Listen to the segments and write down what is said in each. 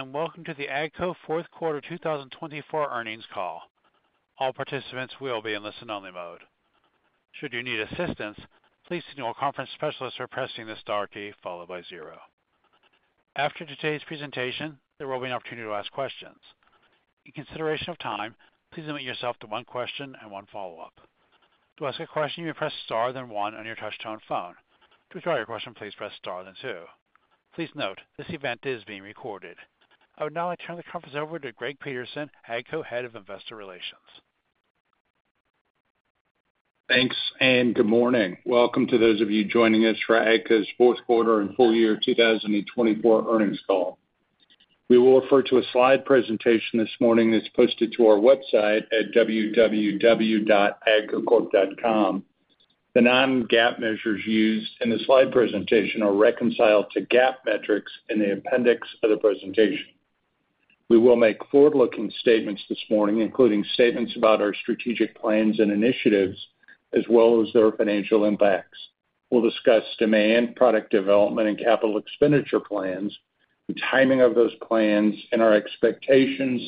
Today and welcome to the AGCO Fourth Quarter 2024 earnings call. All participants will be in listen-only mode. Should you need assistance, please signal a conference specialist or by pressing the star key followed by zero. After today's presentation, there will be an opportunity to ask questions. In consideration of time, please limit yourself to one question and one follow-up. To ask a question, you may press star then one on your touch-tone phone. To withdraw your question, please press star then two. Please note, this event is being recorded. I would now like to turn the conference over to Greg Peterson, AGCO Head of Investor Relations. Thanks, and good morning. Welcome to those of you joining us for AGCO's Fourth Quarter and Full Year 2024 earnings call. We will refer to a slide presentation this morning that's posted to our website at www.agcocorp.com. The non-GAAP measures used in the slide presentation are reconciled to GAAP metrics in the appendix of the presentation. We will make forward-looking statements this morning, including statements about our strategic plans and initiatives, as well as their financial impacts. We'll discuss demand product development and capital expenditure plans, the timing of those plans, and our expectations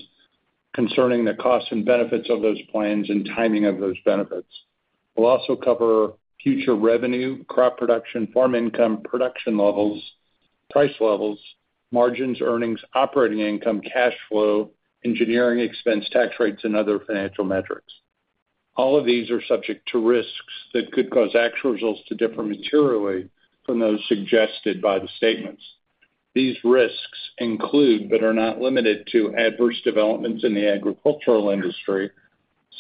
concerning the costs and benefits of those plans and timing of those benefits. We'll also cover future revenue, crop production, farm income, production levels, price levels, margins, earnings, operating income, cash flow, engineering expense, tax rates, and other financial metrics. All of these are subject to risks that could cause actual results to differ materially from those suggested by the statements. These risks include, but are not limited to, adverse developments in the agricultural industry,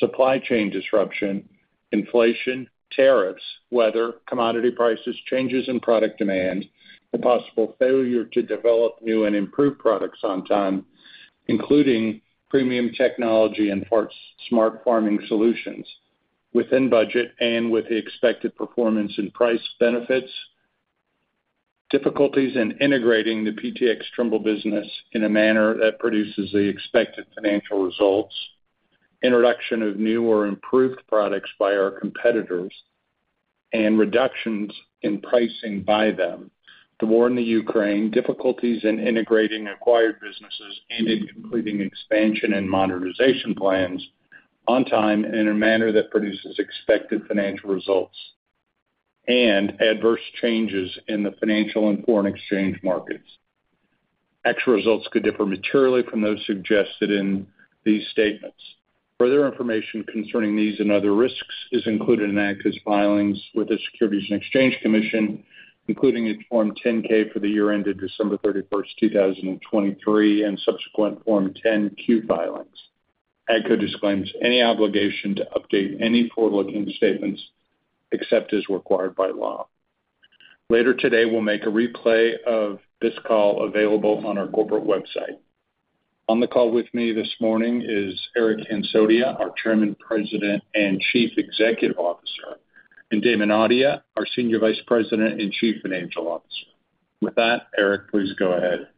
supply chain disruption, inflation, tariffs, weather, commodity prices, changes in product demand, and possible failure to develop new and improved products on time, including premium technology and smart farming solutions within budget and with the expected performance and price benefits, difficulties in integrating the PTx Trimble business in a manner that produces the expected financial results, introduction of new or improved products by our competitors, and reductions in pricing by them, the war in Ukraine, difficulties in integrating acquired businesses and in completing expansion and modernization plans on time and in a manner that produces expected financial results, and adverse changes in the financial and foreign exchange markets. Actual results could differ materially from those suggested in these statements. Further information concerning these and other risks is included in AGCO's filings with the Securities and Exchange Commission, including a Form 10-K for the year ended December 31st, 2023, and subsequent Form 10-Q filings. AGCO disclaims any obligation to update any forward-looking statements except as required by law. Later today, we'll make a replay of this call available on our corporate website. On the call with me this morning is Eric Hansotia, our Chairman, President, and Chief Executive Officer, and Damon Audia, our Senior Vice President and Chief Financial Officer. With that, Eric, please go ahead.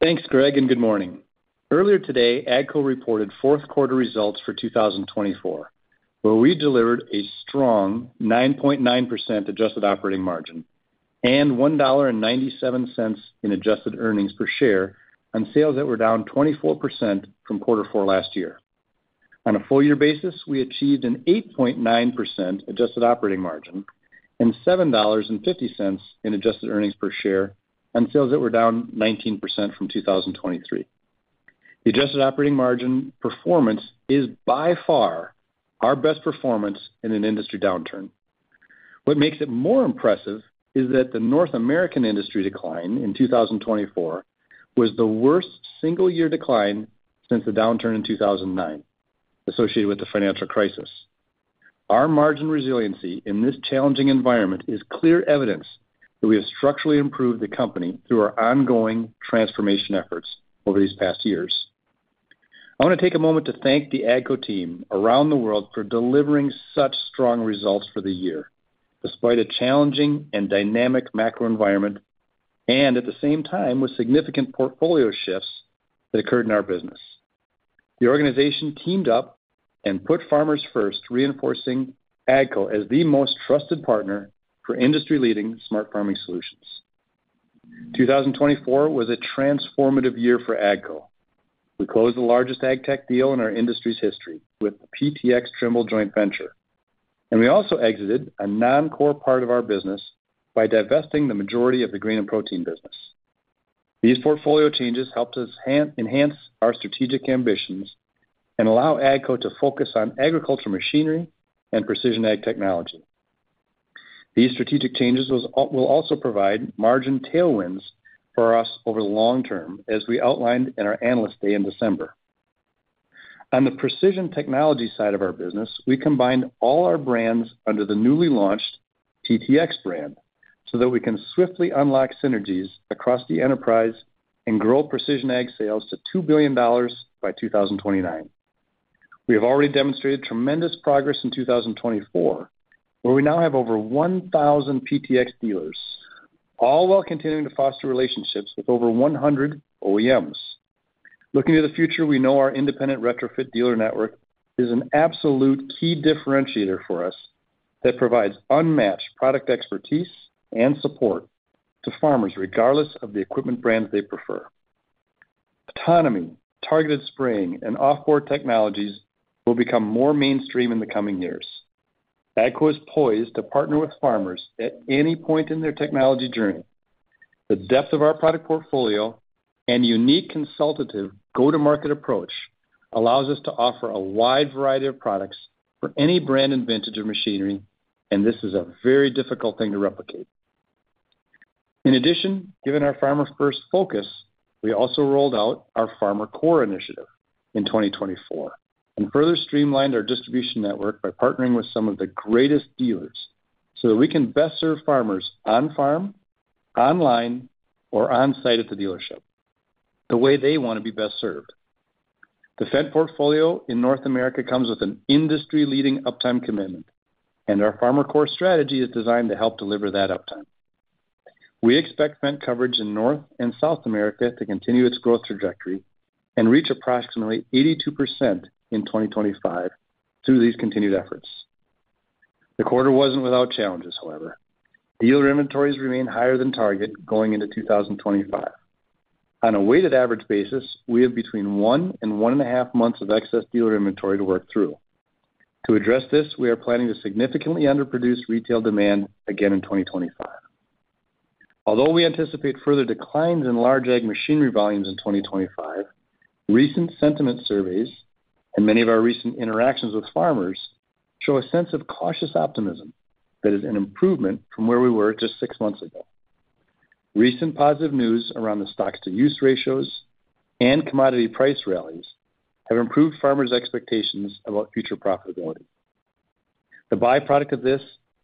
Thanks, Greg, and good morning. Earlier today, AGCO reported fourth quarter results for 2024, where we delivered a strong 9.9% adjusted operating margin and $1.97 in adjusted earnings per share on sales that were down 24% from quarter four last year. On a full year basis, we achieved an 8.9% adjusted operating margin and $7.50 in adjusted earnings per share on sales that were down 19% from 2023. The adjusted operating margin performance is by far our best performance in an industry downturn. What makes it more impressive is that the North American industry decline in 2024 was the worst single-year decline since the downturn in 2009, associated with the financial crisis. Our margin resiliency in this challenging environment is clear evidence that we have structurally improved the company through our ongoing transformation efforts over these past years. I want to take a moment to thank the AGCO team around the world for delivering such strong results for the year, despite a challenging and dynamic macro environment and at the same time with significant portfolio shifts that occurred in our business. The organization teamed up and put farmers first, reinforcing AGCO as the most trusted partner for industry-leading smart farming solutions. 2024 was a transformative year for AGCO. We closed the largest agtech deal in our industry's history with PTx Trimble Joint Venture, and we also exited a non-core part of our business by divesting the majority of the grain and protein business. These portfolio changes helped us enhance our strategic ambitions and allow AGCO to focus on agricultural machinery and precision ag technology. These strategic changes will also provide margin tailwinds for us over the long term, as we outlined in our analyst day in December. On the precision technology side of our business, we combined all our brands under the newly launched PTx brand so that we can swiftly unlock synergies across the enterprise and grow precision ag sales to $2 billion by 2029. We have already demonstrated tremendous progress in 2024, where we now have over 1,000 PTx dealers, all while continuing to foster relationships with over 100 OEMs. Looking to the future, we know our independent retrofit dealer network is an absolute key differentiator for us that provides unmatched product expertise and support to farmers, regardless of the equipment brands they prefer. Autonomy, targeted spraying, and offboard technologies will become more mainstream in the coming years. AGCO is poised to partner with farmers at any point in their technology journey. The depth of our product portfolio and unique consultative go-to-market approach allows us to offer a wide variety of products for any brand and vintage of machinery, and this is a very difficult thing to replicate. In addition, given our farmer-first focus, we also rolled out our FarmerCore Initiative in 2024 and further streamlined our distribution network by partnering with some of the greatest dealers so that we can best serve farmers on-farm, online, or onsite at the dealership, the way they want to be best served. The Fendt portfolio in North America comes with an industry-leading uptime commitment, and our FarmerCore strategy is designed to help deliver that uptime. We expect Fendt coverage in North and South America to continue its growth trajectory and reach approximately 82% in 2025 through these continued efforts. The quarter wasn't without challenges, however. Dealer inventories remain higher than target going into 2025. On a weighted average basis, we have between one and one and a half months of excess dealer inventory to work through. To address this, we are planning to significantly underproduce retail demand again in 2025. Although we anticipate further declines in large ag machinery volumes in 2025, recent sentiment surveys and many of our recent interactions with farmers show a sense of cautious optimism that is an improvement from where we were just six months ago. Recent positive news around the stocks-to-use ratios and commodity price rallies have improved farmers' expectations about future profitability. The byproduct of this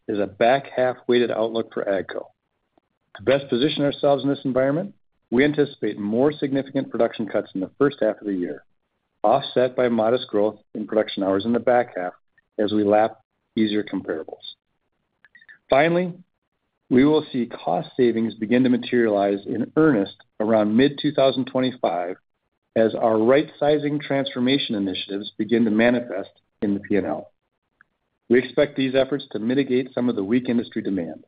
is a back-half weighted outlook for AGCO. To best position ourselves in this environment, we anticipate more significant production cuts in the first half of the year, offset by modest growth in production hours in the back half as we lap easier comparables. Finally, we will see cost savings begin to materialize in earnest around mid-2025 as our right-sizing transformation initiatives begin to manifest in the P&L. We expect these efforts to mitigate some of the weak industry demand.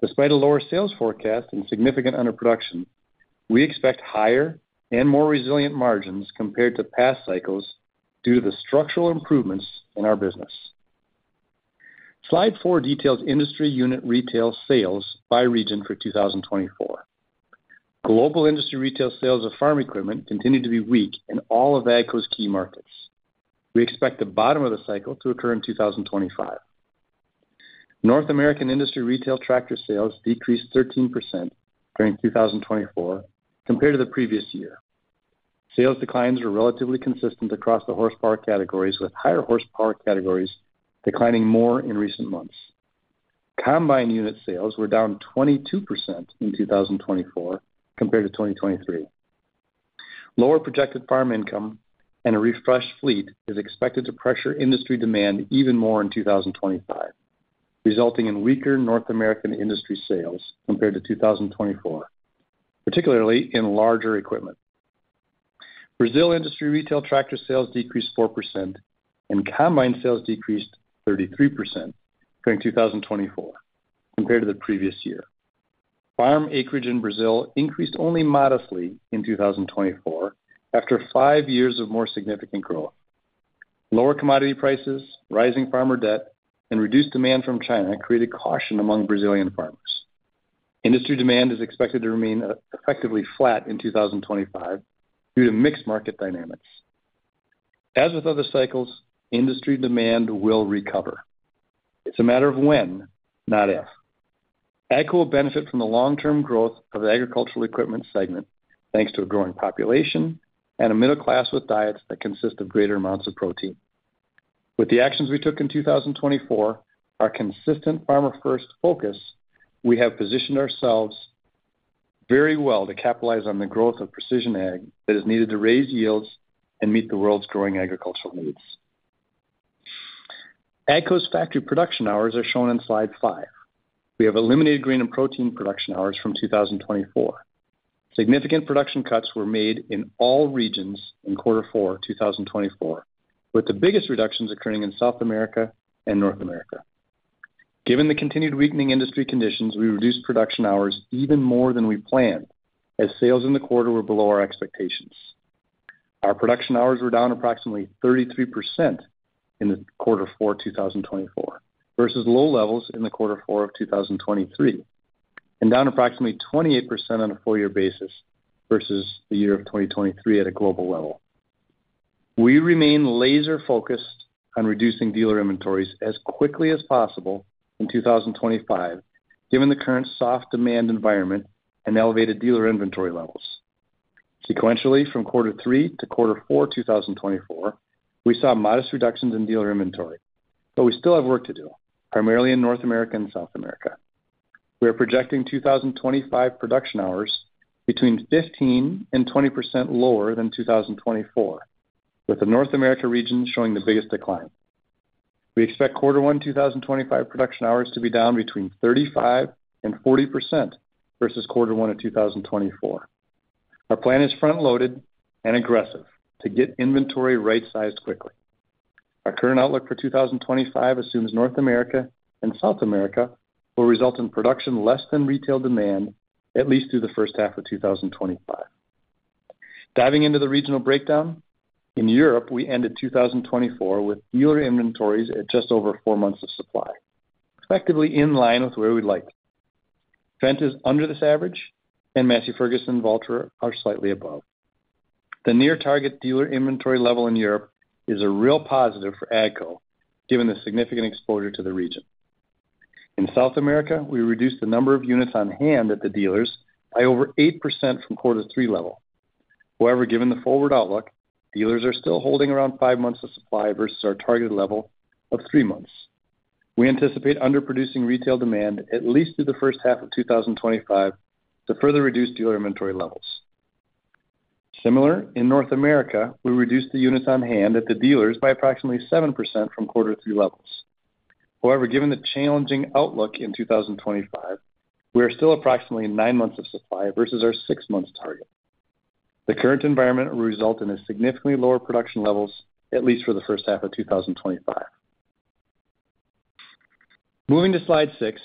Despite a lower sales forecast and significant underproduction, we expect higher and more resilient margins compared to past cycles due to the structural improvements in our business. Slide four details industry unit retail sales by region for 2024. Global industry retail sales of farm equipment continue to be weak in all of AGCO's key markets. We expect the bottom of the cycle to occur in 2025. North American industry retail tractor sales decreased 13% during 2024 compared to the previous year. Sales declines were relatively consistent across the horsepower categories, with higher horsepower categories declining more in recent months. Combine unit sales were down 22% in 2024 compared to 2023. Lower projected farm income and a refreshed fleet is expected to pressure industry demand even more in 2025, resulting in weaker North American industry sales compared to 2024, particularly in larger equipment. Brazil industry retail tractor sales decreased 4%, and combine sales decreased 33% during 2024 compared to the previous year. Farm acreage in Brazil increased only modestly in 2024 after five years of more significant growth. Lower commodity prices, rising farmer debt, and reduced demand from China created caution among Brazilian farmers. Industry demand is expected to remain effectively flat in 2025 due to mixed market dynamics. As with other cycles, industry demand will recover. It's a matter of when, not if. AGCO will benefit from the long-term growth of the agricultural equipment segment, thanks to a growing population and a middle class with diets that consist of greater amounts of protein. With the actions we took in 2024, our consistent farmer-first focus, we have positioned ourselves very well to capitalize on the growth of precision ag that is needed to raise yields and meet the world's growing agricultural needs. AGCO's factory production hours are shown in slide five. We have eliminated grain and protein production hours from 2024. Significant production cuts were made in all regions in quarter four 2024, with the biggest reductions occurring in South America and North America. Given the continued weakening industry conditions, we reduced production hours even more than we planned, as sales in the quarter were below our expectations. Our production hours were down approximately 33% in quarter four 2024 versus low levels in quarter four of 2023, and down approximately 28% on a four-year basis versus the year of 2023 at a global level. We remain laser-focused on reducing dealer inventories as quickly as possible in 2025, given the current soft demand environment and elevated dealer inventory levels. Sequentially, from quarter three to quarter four 2024, we saw modest reductions in dealer inventory, but we still have work to do, primarily in North America and South America. We are projecting 2025 production hours between 15%-20% lower than 2024, with the North America region showing the biggest decline. We expect quarter one 2025 production hours to be down between 35%-40% versus quarter one of 2024. Our plan is front-loaded and aggressive to get inventory right-sized quickly. Our current outlook for 2025 assumes North America and South America will result in production less than retail demand, at least through the first half of 2025. Diving into the regional breakdown, in Europe, we ended 2024 with dealer inventories at just over four months of supply, effectively in line with where we'd like. Fendt is under this average, and Massey Ferguson and Valtra are slightly above. The near-target dealer inventory level in Europe is a real positive for AGCO, given the significant exposure to the region. In South America, we reduced the number of units on hand at the dealers by over 8% from quarter three level. However, given the forward outlook, dealers are still holding around five months of supply versus our targeted level of three months. We anticipate underproducing retail demand at least through the first half of 2025 to further reduce dealer inventory levels. Similar, in North America, we reduced the units on hand at the dealers by approximately 7% from quarter three levels. However, given the challenging outlook in 2025, we are still approximately nine months of supply versus our six-month target. The current environment will result in significantly lower production levels, at least for the first half of 2025. Moving to slide six,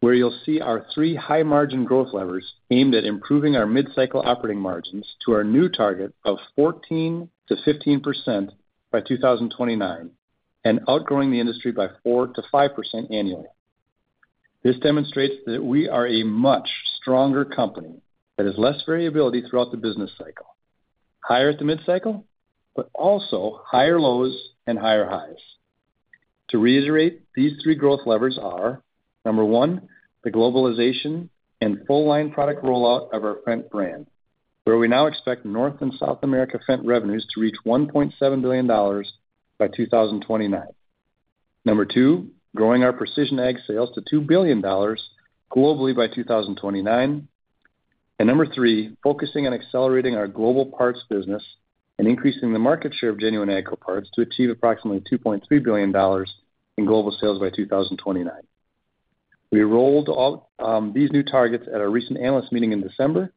where you'll see our three high-margin growth levers aimed at improving our mid-cycle operating margins to our new target of 14%-15% by 2029 and outgrowing the industry by 4%-5% annually. This demonstrates that we are a much stronger company that has less variability throughout the business cycle, higher at the mid-cycle, but also higher lows and higher highs. To reiterate, these three growth levers are: number one, the globalization and full-line product rollout of our Fendt brand, where we now expect North and South America Fendt revenues to reach $1.7 billion by 2029; number two, growing our precision ag sales to $2 billion globally by 2029; and number three, focusing on accelerating our global parts business and increasing the market share of genuine AGCO parts to achieve approximately $2.3 billion in global sales by 2029. We rolled out these new targets at our recent analyst meeting in December,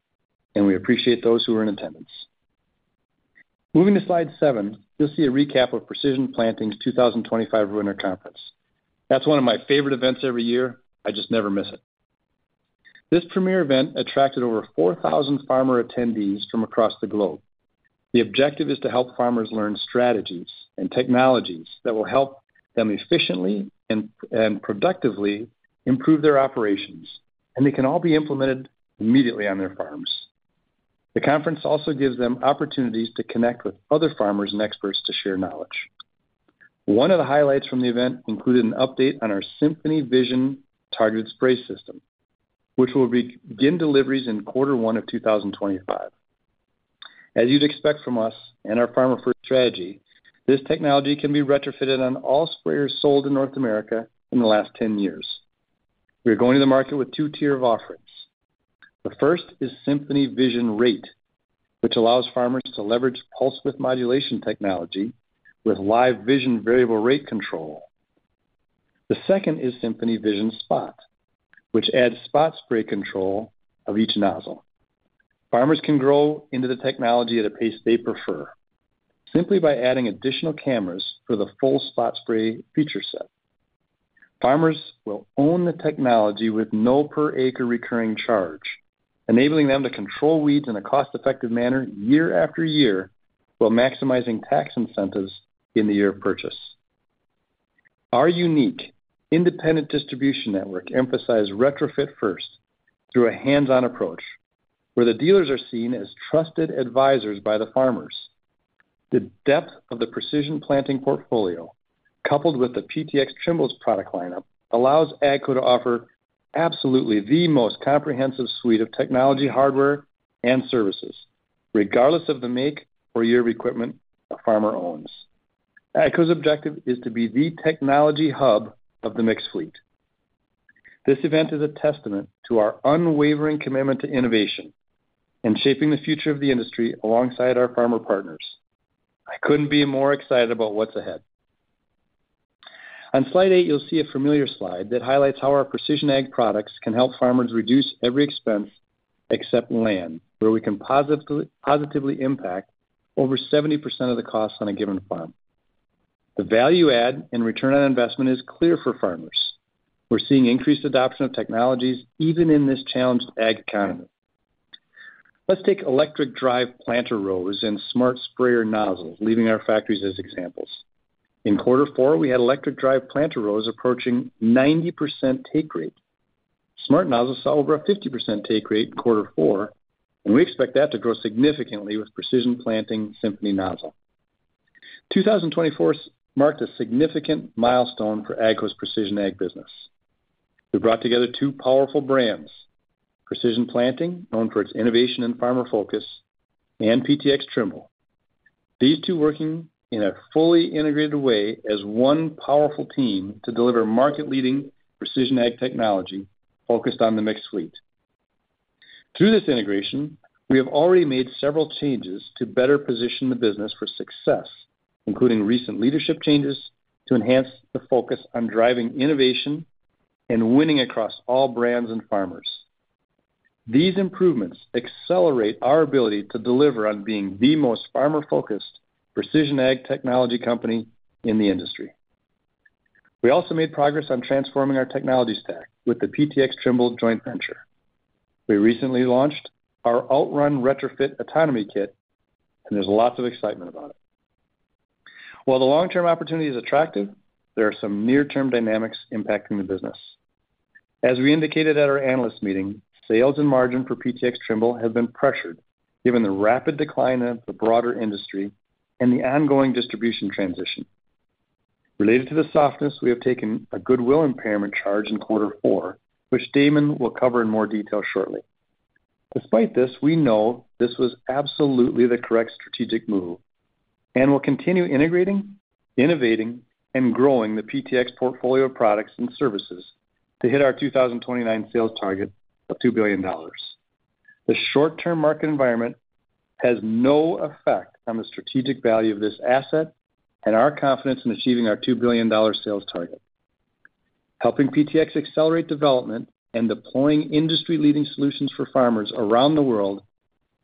and we appreciate those who were in attendance. Moving to slide seven, you'll see a recap of Precision Planting's 2025 Winter Conference. That's one of my favorite events every year. I just never miss it. This premier event attracted over 4,000 farmer attendees from across the globe. The objective is to help farmers learn strategies and technologies that will help them efficiently and productively improve their operations, and they can all be implemented immediately on their farms. The conference also gives them opportunities to connect with other farmers and experts to share knowledge. One of the highlights from the event included an update on our SymphonyVision targeted spray system, which will begin deliveries in quarter one of 2025. As you'd expect from us and our farmer-first strategy, this technology can be retrofitted on all sprayers sold in North America in the last 10 years. We are going to the market with two tiers of offerings. The first is SymphonyVision Rate, which allows farmers to leverage pulse width modulation technology with live vision variable rate control. The second is SymphonyVision Spot, which adds spot spray control of each nozzle. Farmers can grow into the technology at a pace they prefer simply by adding additional cameras for the full spot spray feature set. Farmers will own the technology with no per-acre recurring charge, enabling them to control weeds in a cost-effective manner year after year while maximizing tax incentives in the year of purchase. Our unique independent distribution network emphasizes retrofit first through a hands-on approach, where the dealers are seen as trusted advisors by the farmers. The depth of the Precision Planting portfolio, coupled with the PTx Trimble's product lineup, allows AGCO to offer absolutely the most comprehensive suite of technology, hardware, and services, regardless of the make or year of equipment a farmer owns. AGCO's objective is to be the technology hub of the mixed fleet. This event is a testament to our unwavering commitment to innovation and shaping the future of the industry alongside our farmer partners. I couldn't be more excited about what's ahead. On slide eight, you'll see a familiar slide that highlights how our precision ag products can help farmers reduce every expense except land, where we can positively impact over 70% of the costs on a given farm. The value add and return on investment is clear for farmers. We're seeing increased adoption of technologies even in this challenged ag economy. Let's take electric drive planter rows and smart sprayer nozzles leaving our factories as examples. In quarter four, we had electric drive planter rows approaching 90% take rate. Smart nozzles saw over a 50% take rate in quarter four, and we expect that to grow significantly with Precision Planting SymphonyNozzle. 2024 marked a significant milestone for AGCO's precision ag business. We brought together two powerful brands: Precision Planting, known for its innovation and farmer focus, and PTx Trimble. These two are working in a fully integrated way as one powerful team to deliver market-leading precision ag technology focused on the mixed fleet. Through this integration, we have already made several changes to better position the business for success, including recent leadership changes to enhance the focus on driving innovation and winning across all brands and farmers. These improvements accelerate our ability to deliver on being the most farmer-focused precision ag technology company in the industry. We also made progress on transforming our technology stack with the PTx Trimble joint venture. We recently launched our OutRun Retrofit Autonomy Kit, and there's lots of excitement about it. While the long-term opportunity is attractive, there are some near-term dynamics impacting the business. As we indicated at our analyst meeting, sales and margin for PTx Trimble have been pressured given the rapid decline of the broader industry and the ongoing distribution transition. Related to the softness, we have taken a goodwill impairment charge in quarter four, which Damon will cover in more detail shortly. Despite this, we know this was absolutely the correct strategic move and will continue integrating, innovating, and growing the PTx portfolio of products and services to hit our 2029 sales target of $2 billion. The short-term market environment has no effect on the strategic value of this asset and our confidence in achieving our $2 billion sales target. Helping PTx accelerate development and deploying industry-leading solutions for farmers around the world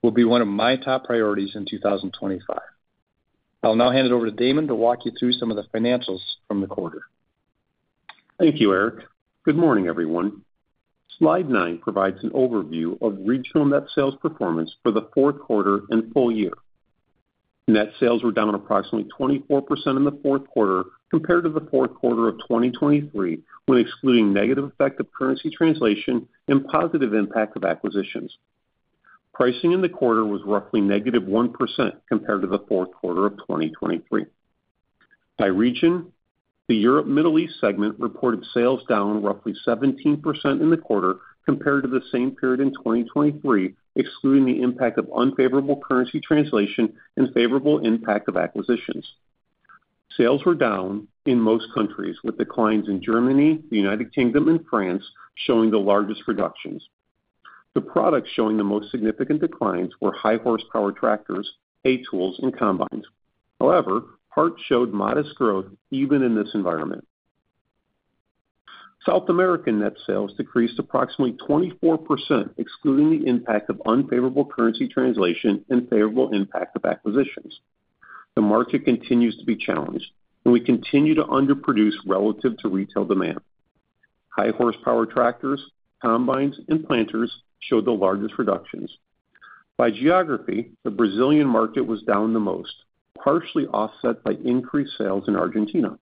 will be one of my top priorities in 2025. I'll now hand it over to Damon to walk you through some of the financials from the quarter. Thank you, Eric. Good morning, everyone. Slide nine provides an overview of regional net sales performance for the fourth quarter and full year. Net sales were down approximately 24% in the fourth quarter compared to the fourth quarter of 2023, when excluding negative effect of currency translation and positive impact of acquisitions. Pricing in the quarter was roughly -1% compared to the fourth quarter of 2023. By region, the Europe-Middle East segment reported sales down roughly 17% in the quarter compared to the same period in 2023, excluding the impact of unfavorable currency translation and favorable impact of acquisitions. Sales were down in most countries, with declines in Germany, the United Kingdom, and France, showing the largest reductions. The products showing the most significant declines were high-horsepower tractors, hay tools, and combines. However, parts showed modest growth even in this environment. South American net sales decreased approximately 24%, excluding the impact of unfavorable currency translation and favorable impact of acquisitions. The market continues to be challenged, and we continue to underproduce relative to retail demand. High-horsepower tractors, combines, and planters showed the largest reductions. By geography, the Brazilian market was down the most, partially offset by increased sales in Argentina.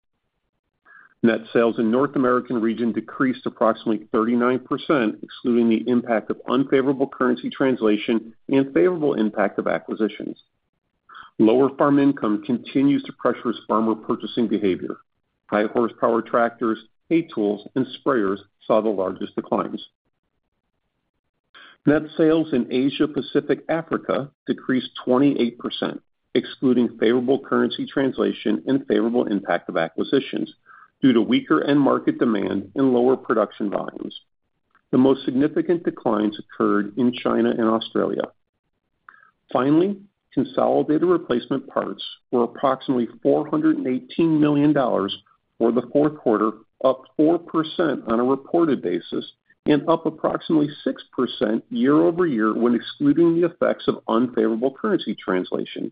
Net sales in the North American region decreased approximately 39%, excluding the impact of unfavorable currency translation and favorable impact of acquisitions. Lower farm income continues to pressure farmer purchasing behavior. High-horsepower tractors, hay tools, and sprayers saw the largest declines. Net sales in Asia-Pacific Africa decreased 28%, excluding favorable currency translation and favorable impact of acquisitions due to weaker end-market demand and lower production volumes. The most significant declines occurred in China and Australia. Finally, consolidated replacement parts were approximately $418 million for the fourth quarter, up 4% on a reported basis and up approximately 6% year-over-year when excluding the effects of unfavorable currency translation.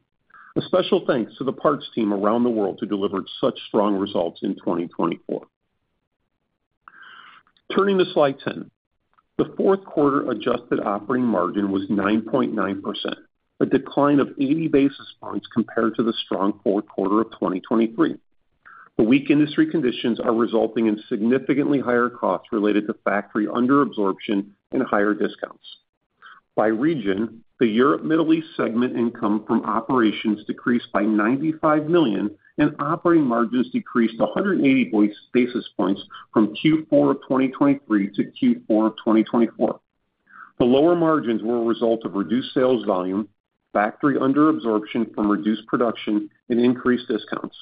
A special thanks to the parts team around the world who delivered such strong results in 2024. Turning to slide 10, the fourth quarter adjusted operating margin was 9.9%, a decline of 80 basis points compared to the strong fourth quarter of 2023. The weak industry conditions are resulting in significantly higher costs related to factory underabsorption and higher discounts. By region, the Europe-Middle East segment income from operations decreased by $95 million, and operating margins decreased 180 basis points from Q4 of 2023 to Q4 of 2024. The lower margins were a result of reduced sales volume, factory underabsorption from reduced production, and increased discounts.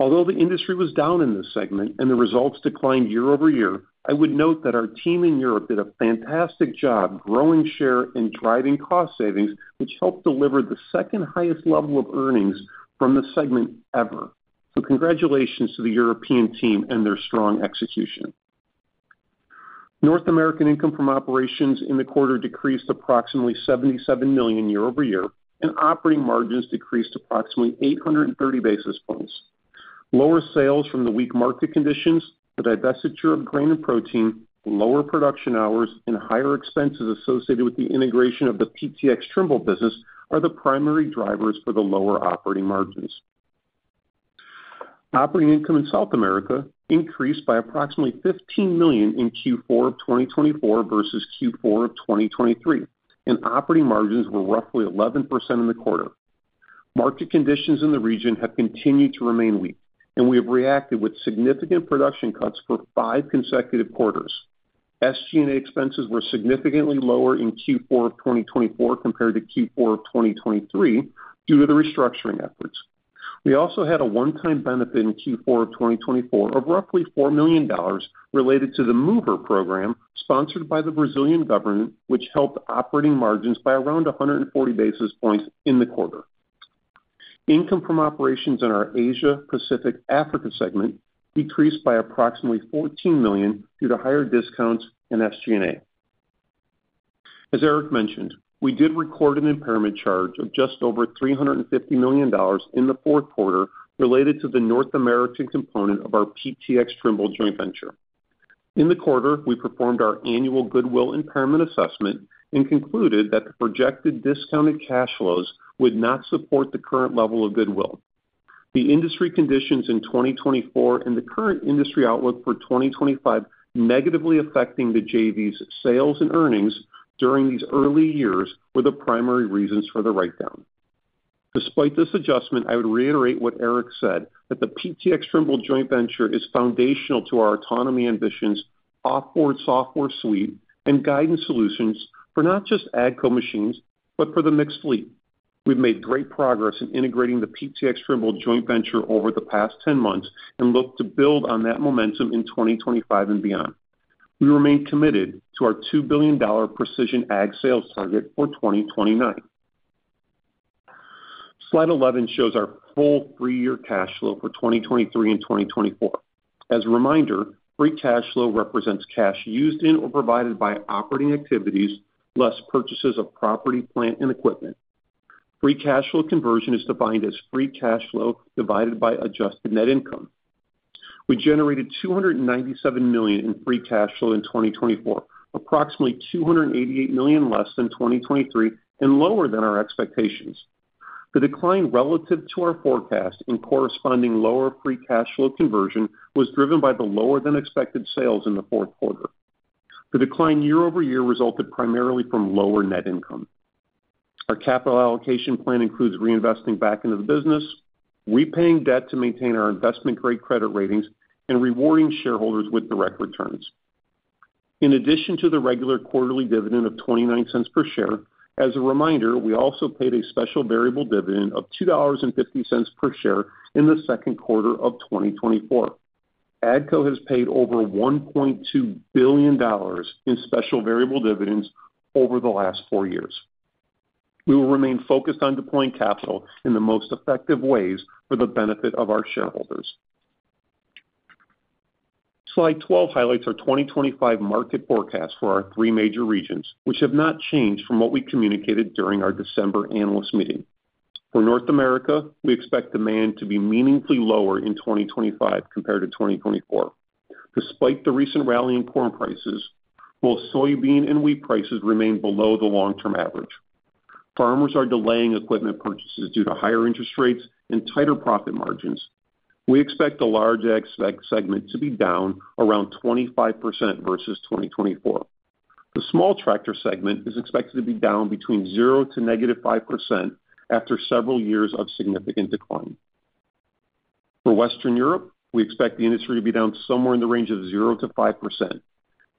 Although the industry was down in this segment and the results declined year-over-year, I would note that our team in Europe did a fantastic job growing share and driving cost savings, which helped deliver the second highest level of earnings from the segment ever. So congratulations to the European team and their strong execution. North American income from operations in the quarter decreased approximately $77 million year-over-year, and operating margins decreased approximately 830 basis points. Lower sales from the weak market conditions, the divestiture of grain and protein, lower production hours, and higher expenses associated with the integration of the PTx Trimble business are the primary drivers for the lower operating margins. Operating income in South America increased by approximately $15 million in Q4 of 2024 versus Q4 of 2023, and operating margins were roughly 11% in the quarter. Market conditions in the region have continued to remain weak, and we have reacted with significant production cuts for five consecutive quarters. SG&A expenses were significantly lower in Q4 of 2024 compared to Q4 of 2023 due to the restructuring efforts. We also had a one-time benefit in Q4 of 2024 of roughly $4 million related to the program sponsored by the Brazilian government, which helped operating margins by around 140 basis points in the quarter. Income from operations in our Asia-Pacific Africa segment decreased by approximately $14 million due to higher discounts and SG&A. As Eric mentioned, we did record an impairment charge of just over $350 million in the fourth quarter related to the North American component of our PTx Trimble joint venture. In the quarter, we performed our annual goodwill impairment assessment and concluded that the projected discounted cash flows would not support the current level of goodwill. The industry conditions in 2024 and the current industry outlook for 2025 negatively affecting the JV's sales and earnings during these early years were the primary reasons for the write-down. Despite this adjustment, I would reiterate what Eric said, that the PTx Trimble joint venture is foundational to our autonomy ambitions, offboard software suite, and guidance solutions for not just AGCO machines, but for the mixed fleet. We've made great progress in integrating the PTx Trimble joint venture over the past 10 months and look to build on that momentum in 2025 and beyond. We remain committed to our $2 billion precision ag sales target for 2029. Slide 11 shows our full three-year cash flow for 2023 and 2024. As a reminder, free cash flow represents cash used in or provided by operating activities less purchases of property, plant, and equipment. Free cash flow conversion is defined as free cash flow divided by adjusted net income. We generated $297 million in free cash flow in 2024, approximately $288 million less than 2023 and lower than our expectations. The decline relative to our forecast and corresponding lower free cash flow conversion was driven by the lower-than-expected sales in the fourth quarter. The decline year-over-year resulted primarily from lower net income. Our capital allocation plan includes reinvesting back into the business, repaying debt to maintain our investment-grade credit ratings, and rewarding shareholders with direct returns. In addition to the regular quarterly dividend of $0.29 per share, as a reminder, we also paid a special variable dividend of $2.50 per share in the second quarter of 2024. AGCO has paid over $1.2 billion in special variable dividends over the last four years. We will remain focused on deploying capital in the most effective ways for the benefit of our shareholders. Slide 12 highlights our 2025 market forecast for our three major regions, which have not changed from what we communicated during our December analyst meeting. For North America, we expect demand to be meaningfully lower in 2025 compared to 2024. Despite the recent rally in corn prices, both soybean and wheat prices remain below the long-term average. Farmers are delaying equipment purchases due to higher interest rates and tighter profit margins. We expect the large ag segment to be down around 25% versus 2024. The small tractor segment is expected to be down between 0% to -5% after several years of significant decline. For Western Europe, we expect the industry to be down somewhere in the range of 0% to 5%.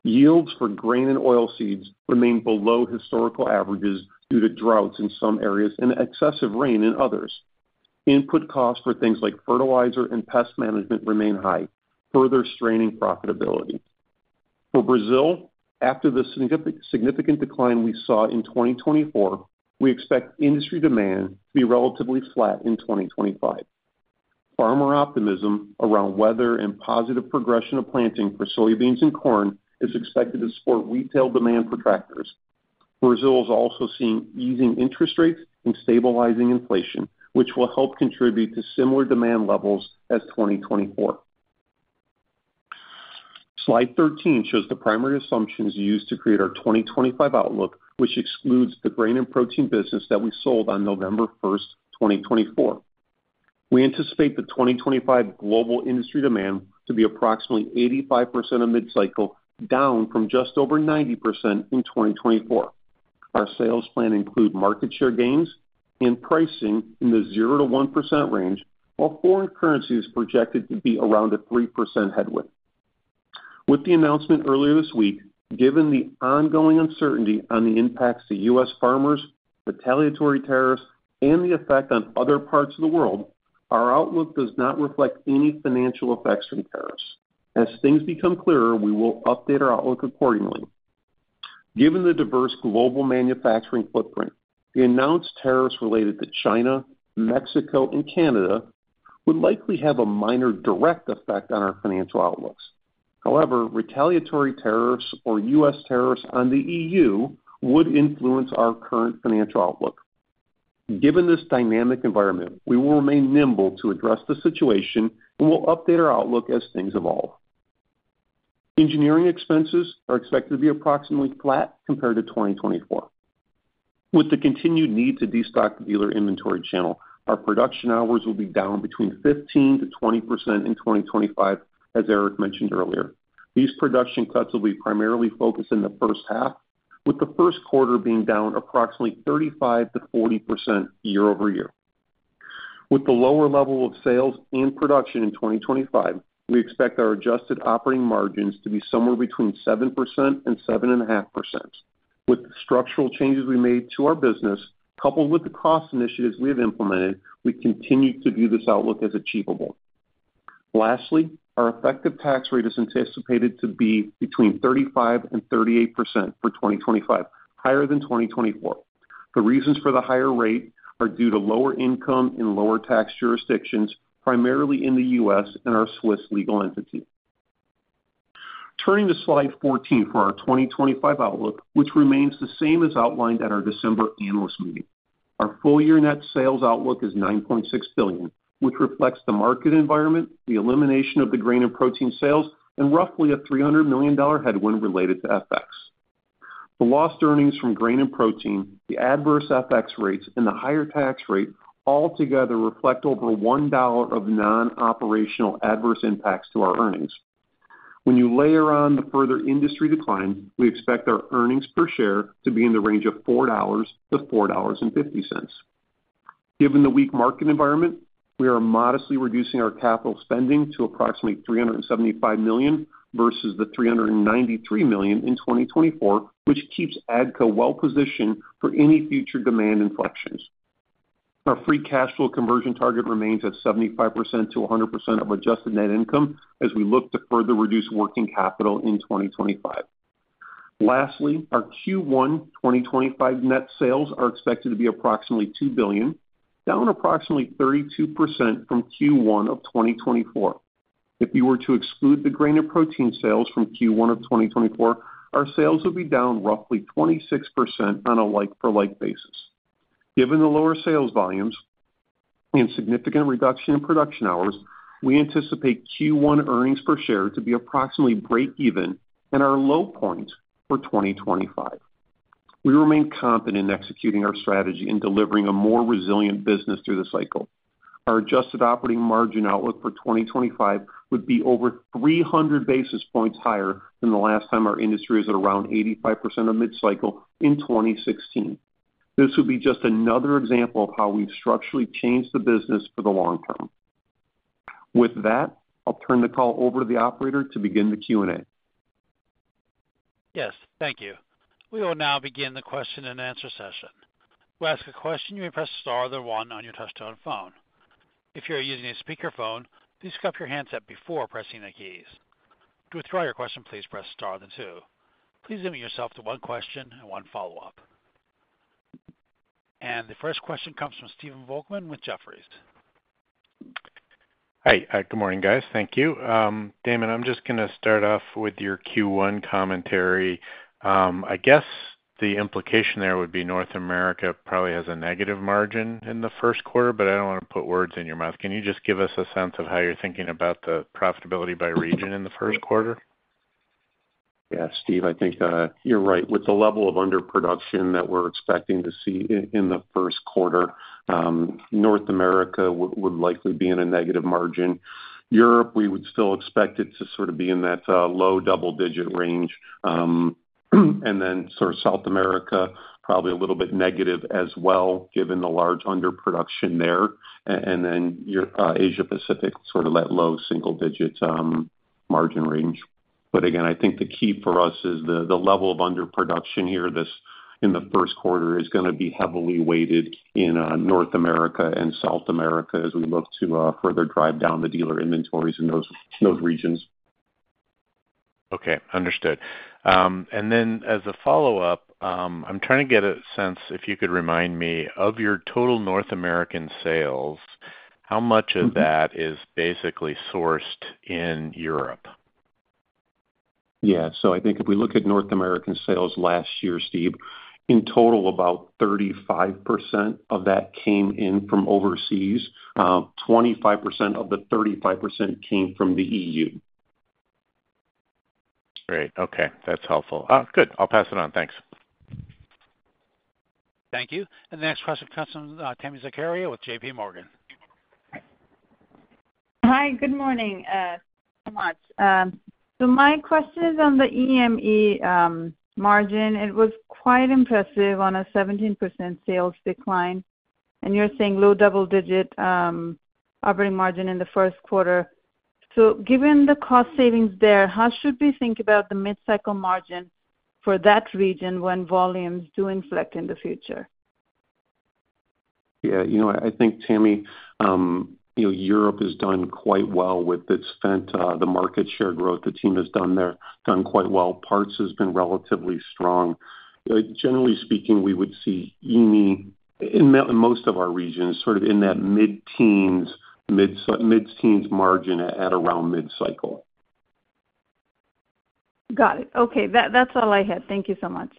Yields for grain and oilseeds remain below historical averages due to droughts in some areas and excessive rain in others. Input costs for things like fertilizer and pest management remain high, further straining profitability. For Brazil, after the significant decline we saw in 2024, we expect industry demand to be relatively flat in 2025. Farmer optimism around weather and positive progression of planting for soybeans and corn is expected to support retail demand for tractors. Brazil is also seeing easing interest rates and stabilizing inflation, which will help contribute to similar demand levels as 2024. Slide 13 shows the primary assumptions used to create our 2025 outlook, which excludes the grain and protein business that we sold on November 1, 2024. We anticipate the 2025 global industry demand to be approximately 85% of mid-cycle, down from just over 90% in 2024. Our sales plan includes market share gains and pricing in the 0%-1% range, while foreign currency is projected to be around a 3% headwind. With the announcement earlier this week, given the ongoing uncertainty on the impacts to U.S. farmers, retaliatory tariffs, and the effect on other parts of the world, our outlook does not reflect any financial effects from tariffs. As things become clearer, we will update our outlook accordingly. Given the diverse global manufacturing footprint, the announced tariffs related to China, Mexico, and Canada would likely have a minor direct effect on our financial outlooks. However, retaliatory tariffs or U.S. tariffs on the EU would influence our current financial outlook. Given this dynamic environment, we will remain nimble to address the situation and will update our outlook as things evolve. Engineering expenses are expected to be approximately flat compared to 2024. With the continued need to destock the dealer inventory channel, our production hours will be down between 15%-20% in 2025, as Eric mentioned earlier. These production cuts will be primarily focused in the first half, with the first quarter being down approximately 35%-40% year-over-year. With the lower level of sales and production in 2025, we expect our adjusted operating margins to be somewhere between 7% and 7.5%. With the structural changes we made to our business, coupled with the cost initiatives we have implemented, we continue to view this outlook as achievable. Lastly, our effective tax rate is anticipated to be between 35% and 38% for 2025, higher than 2024. The reasons for the higher rate are due to lower income in lower tax jurisdictions, primarily in the U.S. and our Swiss legal entity. Turning to slide 14 for our 2025 outlook, which remains the same as outlined at our December analyst meeting. Our full-year net sales outlook is $9.6 billion, which reflects the market environment, the elimination of the grain and protein sales, and roughly a $300 million headwind related to FX. The lost earnings from grain and protein, the adverse FX rates, and the higher tax rate all together reflect over $1 of non-operational adverse impacts to our earnings. When you layer on the further industry decline, we expect our earnings per share to be in the range of $4-$4.50. Given the weak market environment, we are modestly reducing our capital spending to approximately $375 million versus the $393 million in 2024, which keeps AGCO well-positioned for any future demand inflections. Our free cash flow conversion target remains at 75%-100% of adjusted net income as we look to further reduce working capital in 2025. Lastly, our Q1 2025 net sales are expected to be approximately $2 billion, down approximately 32% from Q1 of 2024. If you were to exclude the grain and protein sales from Q1 of 2024, our sales would be down roughly 26% on a like-for-like basis. Given the lower sales volumes and significant reduction in production hours, we anticipate Q1 earnings per share to be approximately break-even and our low point for 2025. We remain confident in executing our strategy and delivering a more resilient business through the cycle. Our adjusted operating margin outlook for 2025 would be over 300 basis points higher than the last time our industry was at around 85% of mid-cycle in 2016. This would be just another example of how we've structurally changed the business for the long term. With that, I'll turn the call over to the operator to begin the Q&A. Yes, thank you. We will now begin the question and answer session. To ask a question, you may press star or the one on your touch-tone phone. If you are using a speakerphone, please pick up your handset before pressing the keys. To withdraw your question, please press star or the two. Please limit yourself to one question and one follow-up. And the first question comes from Stephen Volkman with Jefferies. Hi, good morning, guys. Thank you. Damon, I'm just going to start off with your Q1 commentary. I guess the implication there would be North America probably has a negative margin in the first quarter, but I don't want to put words in your mouth. Can you just give us a sense of how you're thinking about the profitability by region in the first quarter? Yeah, Steve, I think you're right. With the level of underproduction that we're expecting to see in the first quarter, North America would likely be in a negative margin. Europe, we would still expect it to sort of be in that low double-digit range. And then sort of South America, probably a little bit negative as well, given the large underproduction there. And then Asia-Pacific, sort of that low single-digit margin range. But again, I think the key for us is the level of underproduction here in the first quarter is going to be heavily weighted in North America and South America as we look to further drive down the dealer inventories in those regions. Okay, understood. And then as a follow-up, I'm trying to get a sense if you could remind me of your total North American sales, how much of that is basically sourced in Europe? Yeah, so I think if we look at North American sales last year, Steve, in total, about 35% of that came in from overseas. 25% of the 35% came from the EU. Great. Okay, that's helpful. Good. I'll pass it on. Thanks. Thank you. And the next question comes from Tami Zakaria with JPMorgan. Hi, good morning. Thanks so much. So my question is on the EME margin. It was quite impressive on a 17% sales decline. And you're saying low double-digit operating margin in the first quarter. So given the cost savings there, how should we think about the mid-cycle margin for that region when volumes do inflect in the future? Yeah, you know what? I think, Tammy, Europe has done quite well with its spend. The market share growth, the team has done quite well. Parts has been relatively strong. Generally speaking, we would see EME in most of our regions sort of in that mid-teens margin at around mid-cycle. Got it. Okay, that's all I had. Thank you so much.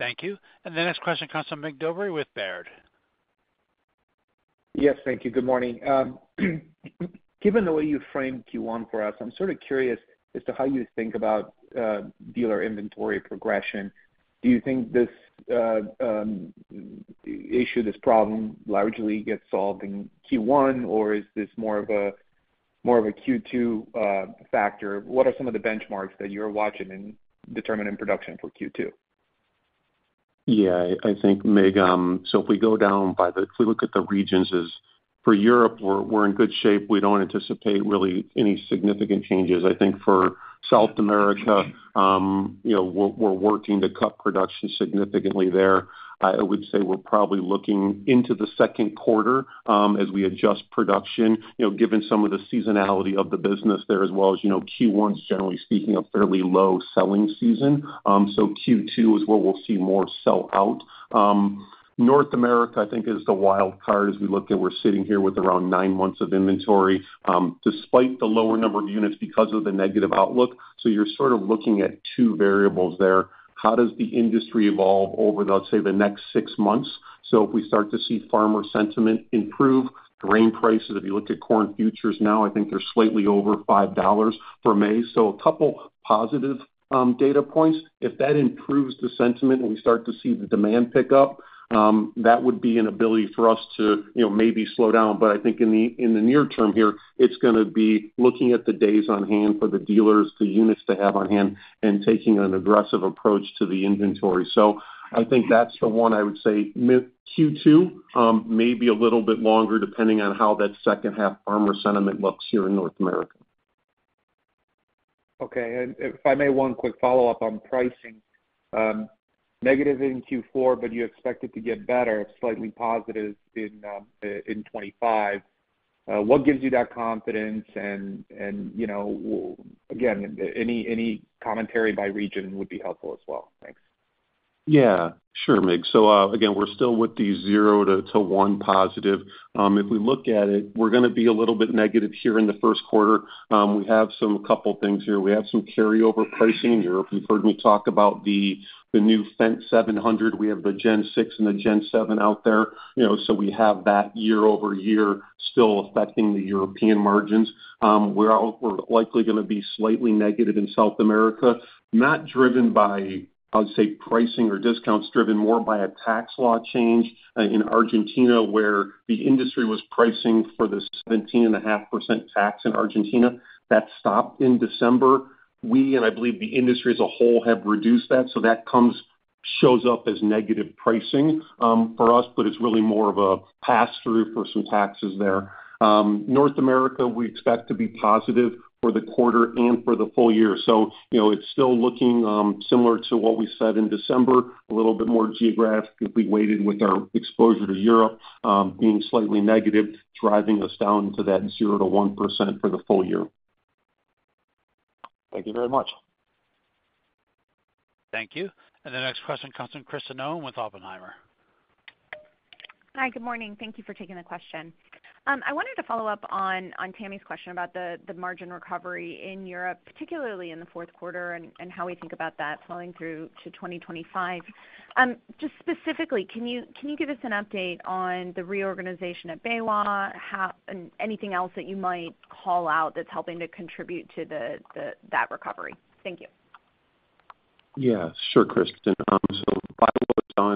Thank you. And the next question comes from Mircea Dobre with Baird. Yes, thank you. Good morning. Given the way you framed Q1 for us, I'm sort of curious as to how you think about dealer inventory progression. Do you think this issue, this problem, largely gets solved in Q1, or is this more of a Q2 factor? What are some of the benchmarks that you're watching in determining production for Q2? Yeah, I think, Mig, so if we look at the regions, for Europe, we're in good shape. We don't anticipate really any significant changes. I think for South America, we're working to cut production significantly there. I would say we're probably looking into the second quarter as we adjust production, given some of the seasonality of the business there, as well as Q1, generally speaking, a fairly low selling season. So Q2 is where we'll see more sell-out. North America, I think, is the wild card as we look at. We're sitting here with around nine months of inventory, despite the lower number of units because of the negative outlook. So you're sort of looking at two variables there. How does the industry evolve over, let's say, the next six months? So if we start to see farmer sentiment improve, grain prices, if you look at corn futures now, I think they're slightly over $5 for May. So a couple of positive data points. If that improves the sentiment and we start to see the demand pick up, that would be an ability for us to maybe slow down. But I think in the near term here, it's going to be looking at the days on hand for the dealers, the units they have on hand, and taking an aggressive approach to the inventory. So I think that's the one I would say Q2, maybe a little bit longer depending on how that second-half farmer sentiment looks here in North America. Okay, and if I may, one quick follow-up on pricing. Negative in Q4, but you expect it to get better, slightly positive in 2025. What gives you that confidence? And again, any commentary by region would be helpful as well. Thanks. Yeah, sure, Mig. So again, we're still with the zero to one positive. If we look at it, we're going to be a little bit negative here in the first quarter. We have a couple of things here. We have some carryover pricing in Europe. You've heard me talk about the new Fendt 700. We have the Gen 6 and the Gen 7 out there. So we have that year-over-year still affecting the European margins. We're likely going to be slightly negative in South America, not driven by, I would say, pricing or discounts, driven more by a tax law change in Argentina where the industry was pricing for the 17.5% tax in Argentina. That stopped in December. We, and I believe the industry as a whole, have reduced that. So that shows up as negative pricing for us, but it's really more of a pass-through for some taxes there. North America, we expect to be positive for the quarter and for the full year. So it's still looking similar to what we said in December, a little bit more geographically weighted with our exposure to Europe being slightly negative, driving us down to that 0%-1% for the full year. Thank you very much. Thank you. And the next question comes from Kristen Owen with Oppenheimer. Hi, good morning. Thank you for taking the question. I wanted to follow up on Tammy's question about the margin recovery in Europe, particularly in the fourth quarter, and how we think about that flowing through to 2025. Just specifically, can you give us an update on the reorganization at BayWa and anything else that you might call out that's helping to contribute to that recovery? Thank you. Yeah, sure, Kristen. So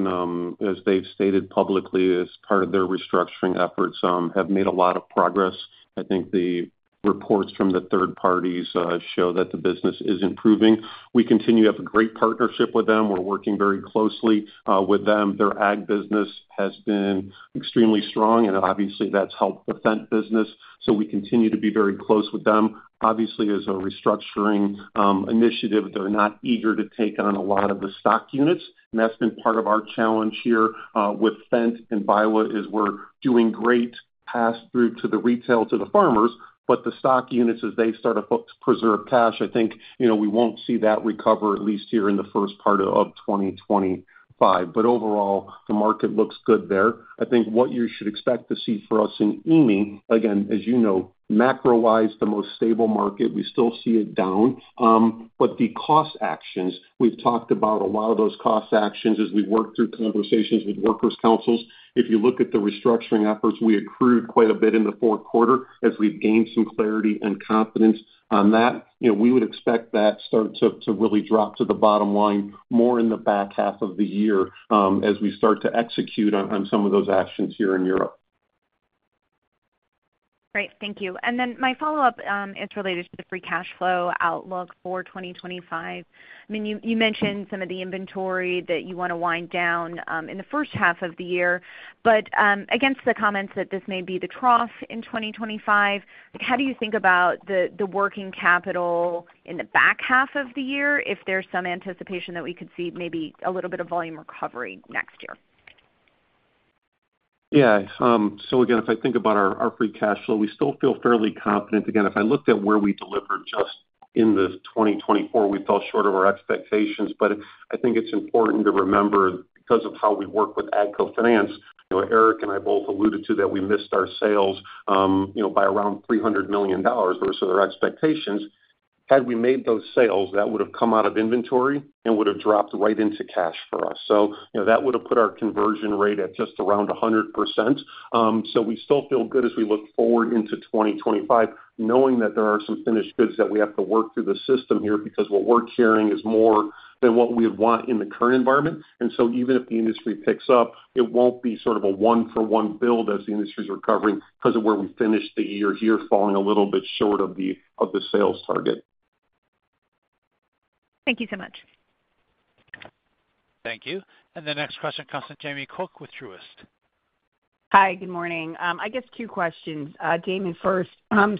BayWa's done, as they've stated publicly as part of their restructuring efforts, have made a lot of progress. I think the reports from the third parties show that the business is improving. We continue to have a great partnership with them. We're working very closely with them. Their ag business has been extremely strong, and obviously, that's helped the Fendt business. So we continue to be very close with them. Obviously, as a restructuring initiative, they're not eager to take on a lot of the stock units. And that's been part of our challenge here with Fendt and is we're doing great pass-through to the retail, to the farmers, but the stock units, as they start to preserve cash, I think we won't see that recover, at least here in the first part of 2025. But overall, the market looks good there. I think what you should expect to see for us in EME, again, as you know, macro-wise, the most stable market, we still see it down. But the cost actions, we've talked about a lot of those cost actions as we work through conversations with workers' councils. If you look at the restructuring efforts, we accrued quite a bit in the fourth quarter as we've gained some clarity and confidence on that. We would expect that start to really drop to the bottom line more in the back half of the year as we start to execute on some of those actions here in Europe. Great. Thank you. And then my follow-up is related to the free cash flow outlook for 2025. I mean, you mentioned some of the inventory that you want to wind down in the first half of the year. But against the comments that this may be the trough in 2025, how do you think about the working capital in the back half of the year if there's some anticipation that we could see maybe a little bit of volume recovery next year? Yeah. So again, if I think about our free cash flow, we still feel fairly confident. Again, if I looked at where we delivered just in the 2024, we fell short of our expectations. But I think it's important to remember because of how we work with AGCO Finance, Eric and I both alluded to that we missed our sales by around $300 million versus our expectations. Had we made those sales, that would have come out of inventory and would have dropped right into cash for us. So that would have put our conversion rate at just around 100%. So we still feel good as we look forward into 2025, knowing that there are some finished goods that we have to work through the system here because what we're carrying is more than what we would want in the current environment. And so even if the industry picks up, it won't be sort of a one-for-one build as the industry's recovering because of where we finished the year here, falling a little bit short of the sales target. Thank you so much. Thank you. And the next question comes from Jamie Cook with Truist. Hi, good morning. I guess two questions. Damon first.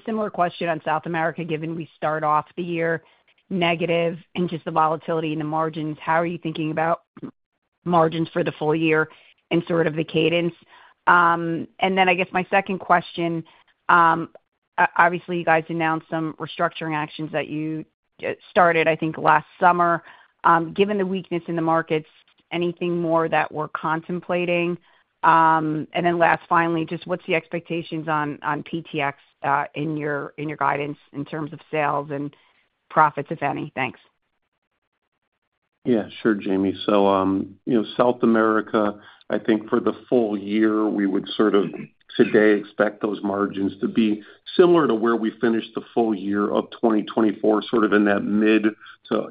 Similar question on South America, given we start off the year negative and just the volatility in the margins, how are you thinking about margins for the full year and sort of the cadence? And then I guess my second question, obviously, you guys announced some restructuring actions that you started, I think, last summer. Given the weakness in the markets, anything more that we're contemplating? And then last, finally, just what's the expectations on PTx in your guidance in terms of sales and profits, if any? Thanks. Yeah, sure, Jamie. South America, I think for the full year, we would sort of today expect those margins to be similar to where we finished the full year of 2024, sort of in that mid- to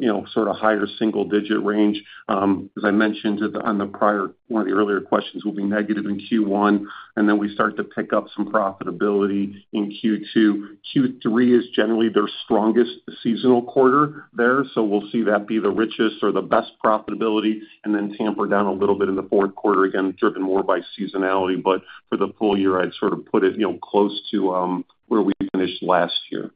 higher single-digit range. As I mentioned on the prior, one of the earlier questions, we'll be negative in Q1, and then we start to pick up some profitability in Q2. Q3 is generally their strongest seasonal quarter there. So we'll see that be the richest or the best profitability, and then taper down a little bit in the fourth quarter, again, driven more by seasonality. But for the full year, I'd sort of put it close to where we finished last year.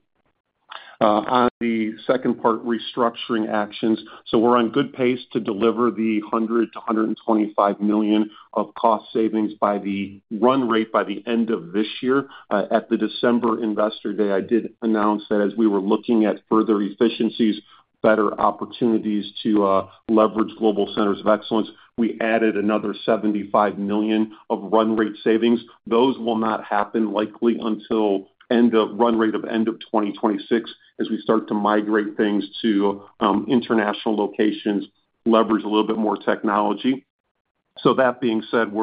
On the second part, restructuring actions. So we're on good pace to deliver the $100 million-$125 million of cost savings by the run rate by the end of this year. At the December Investor Day, I did announce that as we were looking at further efficiencies, better opportunities to leverage global centers of excellence, we added another $75 million of run rate savings. Those will not happen likely until end of run rate of end of 2026 as we start to migrate things to international locations, leverage a little bit more technology. So that being said,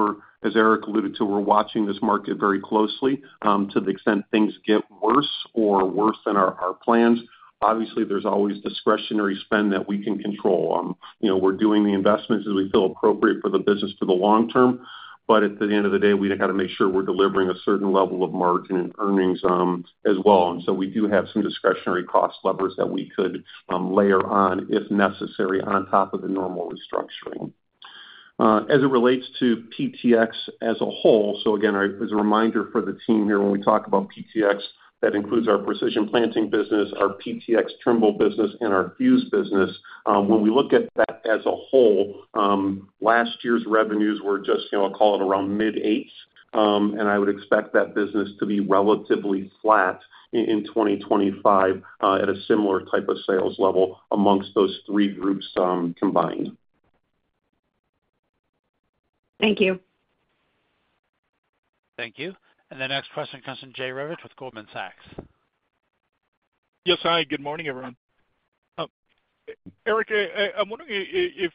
as Eric alluded to, we're watching this market very closely to the extent things get worse or worse than our plans. Obviously, there's always discretionary spend that we can control. We're doing the investments as we feel appropriate for the business for the long term. But at the end of the day, we got to make sure we're delivering a certain level of margin and earnings as well. And so we do have some discretionary cost levers that we could layer on, if necessary, on top of the normal restructuring. As it relates to PTx as a whole, so again, as a reminder for the team here, when we talk about PTx, that includes our precision planting business, our PTx Trimble business, and our Fuse business. When we look at that as a whole, last year's revenues were just, I'll call it around. And I would expect that business to be relatively flat in 2025 at a similar type of sales level amongst those three groups combined. Thank you. Thank you. And the next question comes from Jerry Revich with Goldman Sachs. Yes, hi. Good morning, everyone. Eric, I'm wondering if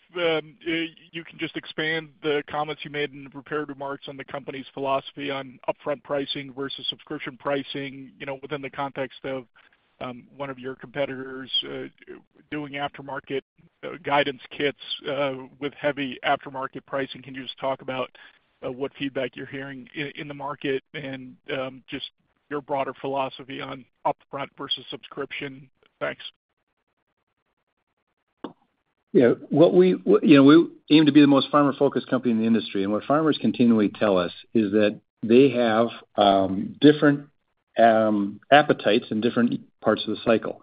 you can just expand the comments you made and prepared remarks on the company's philosophy on upfront pricing versus subscription pricing within the context of one of your competitors doing aftermarket guidance kits with heavy aftermarket pricing. Can you just talk about what feedback you're hearing in the market and just your broader philosophy on upfront versus subscription? Thanks. Yeah. We aim to be the most farmer-focused company in the industry. And what farmers continually tell us is that they have different appetites in different parts of the cycle.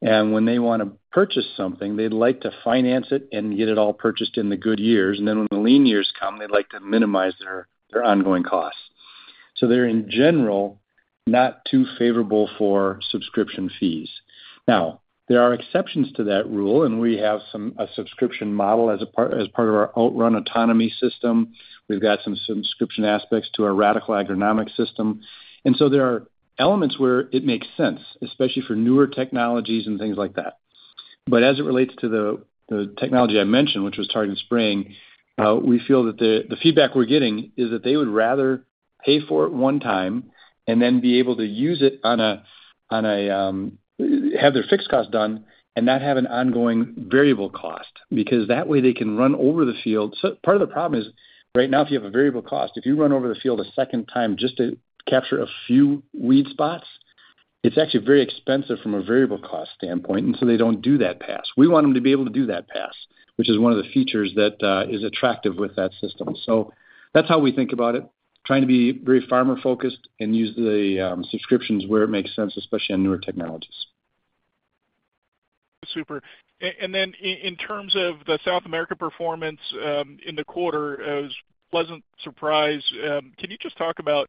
And when they want to purchase something, they'd like to finance it and get it all purchased in the good years. And then when the lean years come, they'd like to minimize their ongoing costs. So they're, in general, not too favorable for subscription fees. Now, there are exceptions to that rule, and we have a subscription model as part of our OutRun autonomy system. We've got some subscription aspects to our Radicle agronomic system, and so there are elements where it makes sense, especially for newer technologies and things like that, but as it relates to the technology I mentioned, which was targeted spray, we feel that the feedback we're getting is that they would rather pay for it one time and then be able to use it once, have their fixed cost done and not have an ongoing variable cost because that way they can run over the field. So part of the problem is right now, if you have a variable cost, if you run over the field a second time just to capture a few weed spots, it's actually very expensive from a variable cost standpoint. And so they don't do that pass. We want them to be able to do that pass, which is one of the features that is attractive with that system. So that's how we think about it, trying to be very farmer-focused and use the subscriptions where it makes sense, especially on newer technologies. Super. And then in terms of the South America performance in the quarter, it was a pleasant surprise. Can you just talk about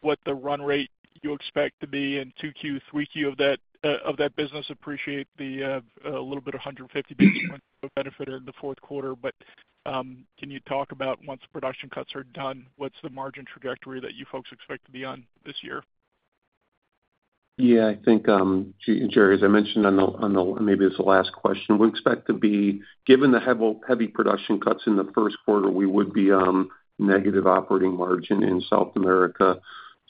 what the run rate you expect to be in 2Q, 3Q of that business? Appreciate the little bit of 150 basis points of benefit in the fourth quarter. But can you talk about once production cuts are done, what's the margin trajectory that you folks expect to be on this year? Yeah. I think, sure, as I mentioned on the maybe this is the last question, we expect to be, given the heavy production cuts in the first quarter, we would be negative operating margin in South America,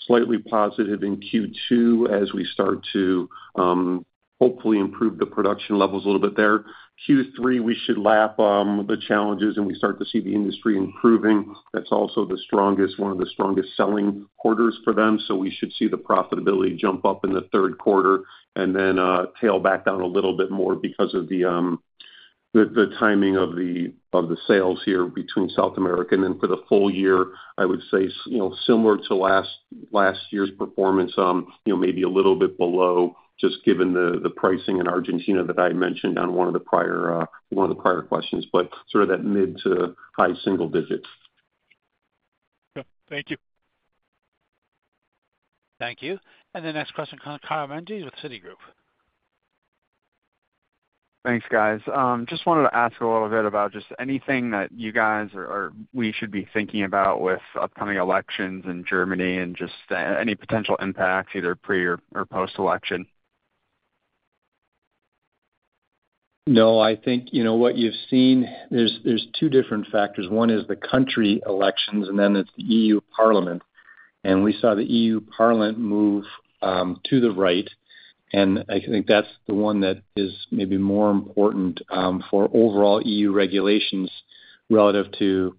slightly positive in Q2 as we start to hopefully improve the production levels a little bit there. Q3, we should lap the challenges and we start to see the industry improving. That's also one of the strongest selling quarters for them. So we should see the profitability jump up in the third quarter and then tail back down a little bit more because of the timing of the sales here between South America. And then for the full year, I would say similar to last year's performance, maybe a little bit below, just given the pricing in Argentina that I mentioned on one of the prior questions, but sort of that mid- to high-single-digit. Okay. Thank you. Thank you. And the next question comes from Kyle Menges with Citigroup. Thanks, guys. Just wanted to ask a little bit about just anything that you guys or we should be thinking about with upcoming elections in Germany and just any potential impacts either pre- or post-election. No, I think what you've seen, there's two different factors. One is the country elections, and then it's the EU Parliament. And we saw the EU Parliament move to the right. And I think that's the one that is maybe more important for overall EU regulations relative to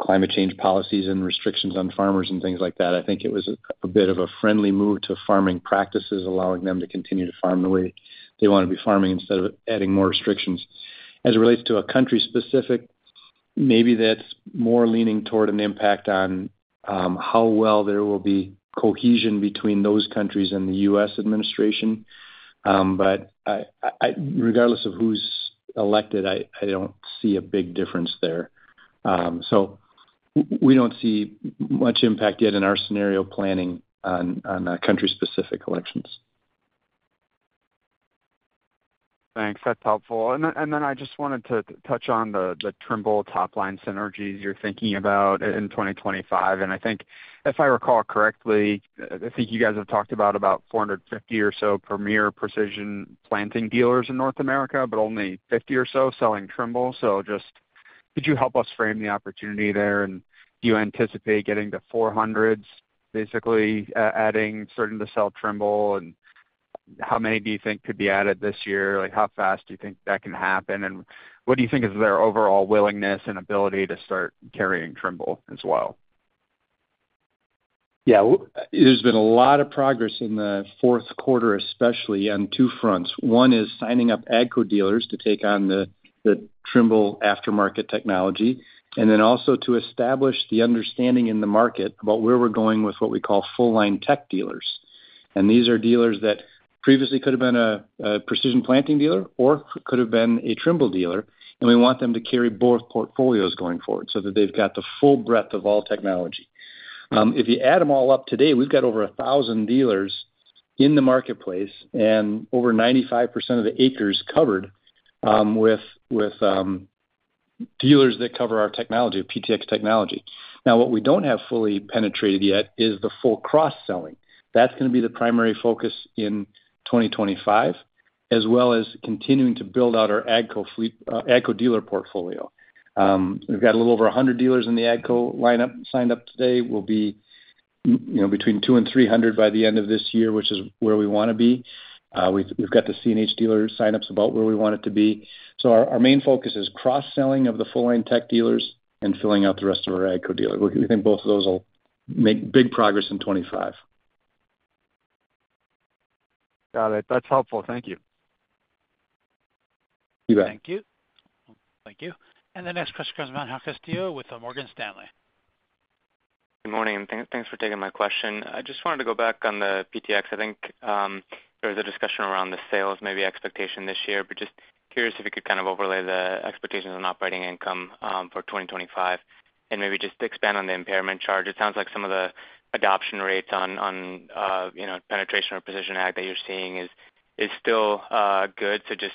climate change policies and restrictions on farmers and things like that. I think it was a bit of a friendly move to farming practices, allowing them to continue to farm the way they want to be farming instead of adding more restrictions. As it relates to a country-specific, maybe that's more leaning toward an impact on how well there will be cohesion between those countries and the U.S. administration. But regardless of who's elected, I don't see a big difference there. So we don't see much impact yet in our scenario planning on country-specific elections. Thanks. That's helpful. And then I just wanted to touch on the Trimble top-line synergies you're thinking about in 2025. I think, if I recall correctly, I think you guys have talked about 450 or so Premier Precision Planting dealers in North America, but only 50 or so selling Trimble. So just could you help us frame the opportunity there? Do you anticipate getting to 400s, basically starting to sell Trimble? How many do you think could be added this year? How fast do you think that can happen? What do you think is their overall willingness and ability to start carrying Trimble as well? Yeah. There's been a lot of progress in the fourth quarter, especially on two fronts. One is signing up AGCO dealers to take on the Trimble aftermarket technology, and then also to establish the understanding in the market about where we're going with what we call full-line tech dealers. These are dealers that previously could have been a Precision Planting dealer or could have been a Trimble dealer. We want them to carry both portfolios going forward so that they've got the full breadth of all technology. If you add them all up today, we've got over 1,000 dealers in the marketplace and over 95% of the acres covered with dealers that cover our technology, PTx technology. Now, what we don't have fully penetrated yet is the full cross-selling. That's going to be the primary focus in 2025, as well as continuing to build out our AGCO dealer portfolio. We've got a little over 100 dealers in the AGCO lineup signed up today. We'll be between 200 and 300 by the end of this year, which is where we want to be. We've got the CNH dealer signups about where we want it to be. So our main focus is cross-selling of the full-line tech dealers and filling out the rest of our AGCO dealer. We think both of those will make big progress in 2025. Got it. That's helpful. Thank you. You bet. Thank you. Thank you. And the next question comes from Angel Castillo with Morgan Stanley. Good morning. Thanks for taking my question. I just wanted to go back on the PTx. I think there was a discussion around the sales, maybe expectation this year, but just curious if you could kind of overlay the expectations on operating income for 2025 and maybe just expand on the impairment charge. It sounds like some of the adoption rates on penetration or precision ag that you're seeing is still good. So just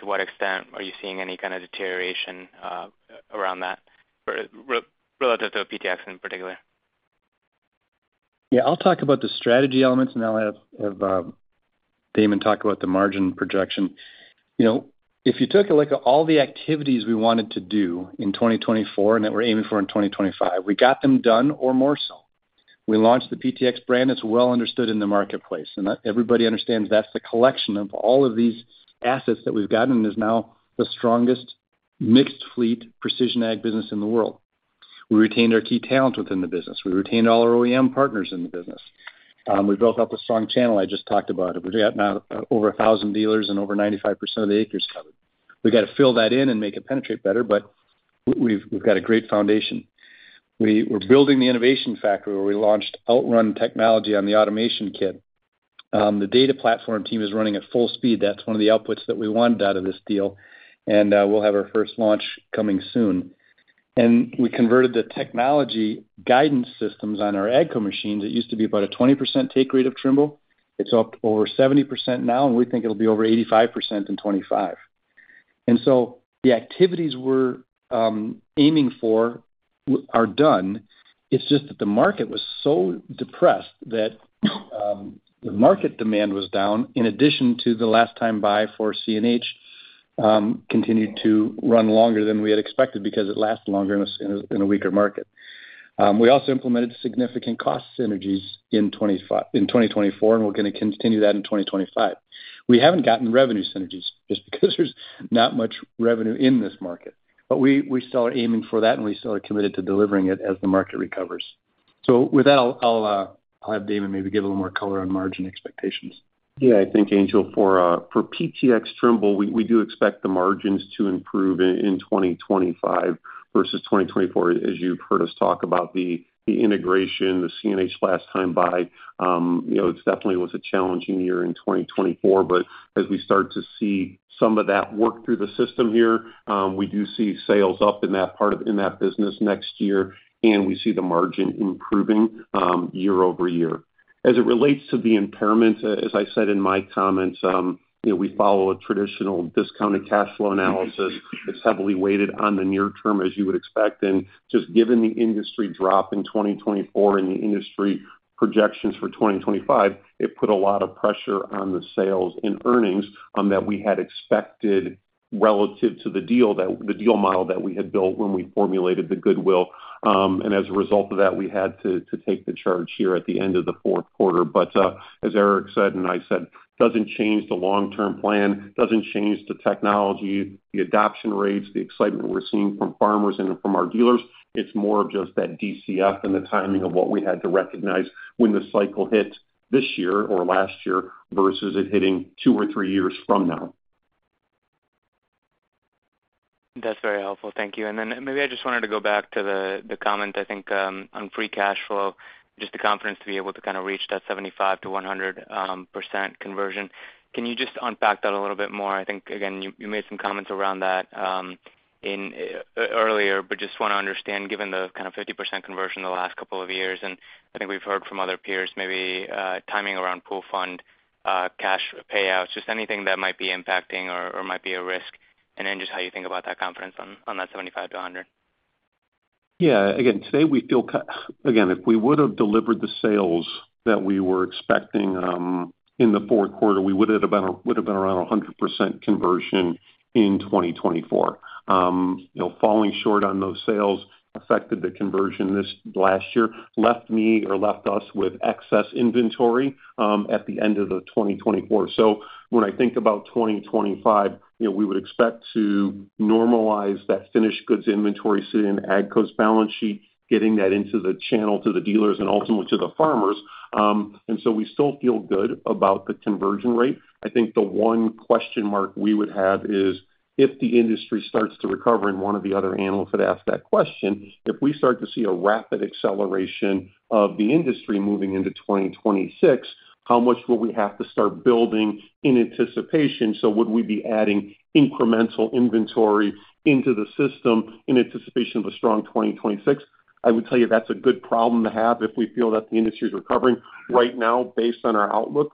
to what extent are you seeing any kind of deterioration around that relative to PTx in particular? Yeah. I'll talk about the strategy elements, and then I'll have Damon talk about the margin projection. If you took all the activities we wanted to do in 2024 and that we're aiming for in 2025, we got them done or more so. We launched the PTx brand. It's well understood in the marketplace, and everybody understands that's the collection of all of these assets that we've gotten and is now the strongest mixed-fleet precision ag business in the world. We retained our key talents within the business. We retained all our OEM partners in the business. We built up a strong channel I just talked about. We've got now over 1,000 dealers and over 95% of the acres covered. We've got to fill that in and make it penetrate better, but we've got a great foundation. We're building the innovation factory where we launched OutRun technology on the automation kit. The data platform team is running at full speed. That's one of the outputs that we wanted out of this deal. And we'll have our first launch coming soon. And we converted the technology guidance systems on our AGCO machines. It used to be about a 20% take rate of Trimble. It's up over 70% now, and we think it'll be over 85% in 2025. And so the activities we're aiming for are done. It's just that the market was so depressed that the market demand was down in addition to the last time buy for CNH continued to run longer than we had expected because it lasted longer in a weaker market. We also implemented significant cost synergies in 2024, and we're going to continue that in 2025. We haven't gotten revenue synergies just because there's not much revenue in this market. But we still are aiming for that, and we still are committed to delivering it as the market recovers. So with that, I'll have Damon maybe give a little more color on margin expectations. Yeah. I think, Angel, for PTx Trimble, we do expect the margins to improve in 2025 versus 2024, as you've heard us talk about the integration, the CNH last time buy. It definitely was a challenging year in 2024. But as we start to see some of that work through the system here, we do see sales up in that part of that business next year, and we see the margin improving year-over-year. As it relates to the impairment, as I said in my comments, we follow a traditional discounted cash flow analysis. It's heavily weighted on the near term, as you would expect. And just given the industry drop in 2024 and the industry projections for 2025, it put a lot of pressure on the sales and earnings that we had expected relative to the deal model that we had built when we formulated the goodwill. And as a result of that, we had to take the charge here at the end of the fourth quarter. But as Eric said and I said, it doesn't change the long-term plan, doesn't change the technology, the adoption rates, the excitement we're seeing from farmers and from our dealers. It's more of just that DCF and the timing of what we had to recognize when the cycle hit this year or last year versus it hitting two or three years from now. That's very helpful. Thank you. And then, maybe I just wanted to go back to the comment, I think, on free cash flow, just the confidence to be able to kind of reach that 75%-100% conversion. Can you just unpack that a little bit more? I think, again, you made some comments around that earlier, but just want to understand, given the kind of 50% conversion the last couple of years, and I think we've heard from other peers, maybe timing around pool funds cash payouts, just anything that might be impacting or might be a risk, and then just how you think about that confidence on that 75-100. Yeah. Again, today we feel, again, if we would have delivered the sales that we were expecting in the fourth quarter, we would have been around 100% conversion in 2024. Falling short on those sales affected the conversion last year, left me or left us with excess inventory at the end of the 2024. So when I think about 2025, we would expect to normalize that finished goods inventory sitting in AGCO's balance sheet, getting that into the channel to the dealers and ultimately to the farmers. And so we still feel good about the conversion rate. I think the one question mark we would have is if the industry starts to recover, and one of the other analysts had asked that question, if we start to see a rapid acceleration of the industry moving into 2026, how much will we have to start building in anticipation? So would we be adding incremental inventory into the system in anticipation of a strong 2026? I would tell you that's a good problem to have if we feel that the industry is recovering. Right now, based on our outlook,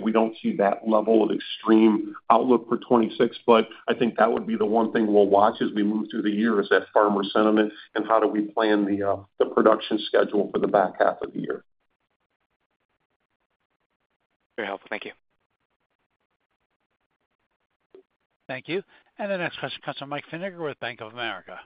we don't see that level of extreme outlook for 2026. But I think that would be the one thing we'll watch as we move through the year is that farmer sentiment and how do we plan the production schedule for the back half of the year. Very helpful. Thank you. Thank you. The next question comes from Michael Feniger with Bank of America.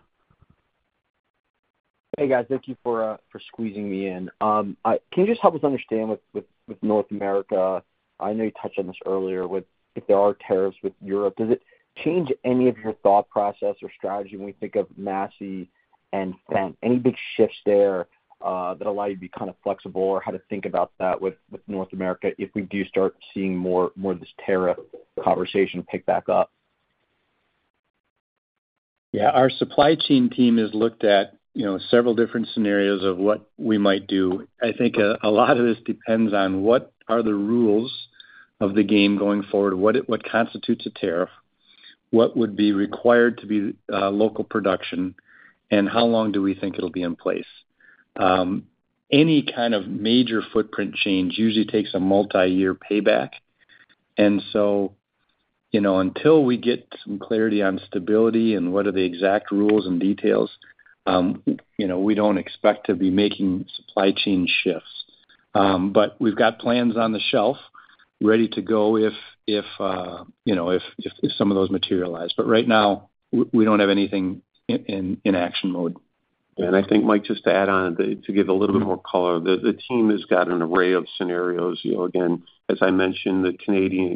Hey, guys. Thank you for squeezing me in. Can you just help us understand with North America? I know you touched on this earlier. If there are tariffs with Europe, does it change any of your thought process or strategy when we think of Massey and Fendt? Any big shifts there that allow you to be kind of flexible or how to think about that with North America if we do start seeing more of this tariff conversation pick back up? Yeah. Our supply chain team has looked at several different scenarios of what we might do. I think a lot of this depends on what are the rules of the game going forward, what constitutes a tariff, what would be required to be local production, and how long do we think it'll be in place. Any kind of major footprint change usually takes a multi-year payback. And so until we get some clarity on stability and what are the exact rules and details, we don't expect to be making supply chain shifts. But we've got plans on the shelf, ready to go if some of those materialize. But right now, we don't have anything in action mode. And I think, Mike, just to add on to give a little bit more color, the team has got an array of scenarios. Again, as I mentioned, the